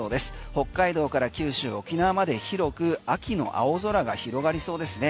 北海道から九州、沖縄まで広く秋の青空が広がりそうですね。